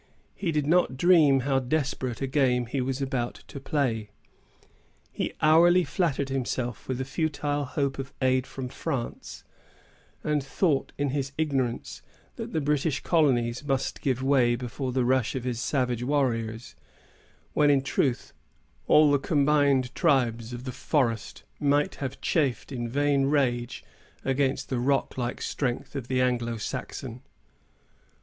He did not dream how desperate a game he was about to play. He hourly flattered himself with the futile hope of aid from France, and thought in his ignorance that the British colonies must give way before the rush of his savage warriors; when, in truth, all the combined tribes of the forest might have chafed in vain rage against the rock like strength of the Anglo Saxon.